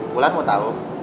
bulan mau tau